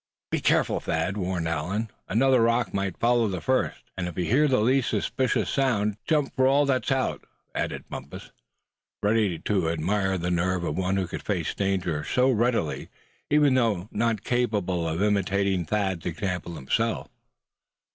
"Be careful, Thad," warned Allan; "another rock might follow the first." "And if you hear the least suspicious sound, jump for all that's out," added Bumpus, ready to admire the nerve of one who could face danger so readily, even though not capable of imitating Thad's example himself.